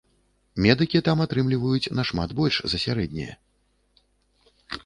Медыкі там атрымліваюць нашмат больш за сярэдняе.